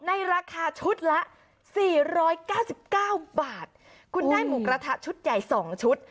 ในราคาชุดละสี่ร้อยเก้าสิบเก้าบาทคุณได้หมูกระทะชุดใหญ่สองชุด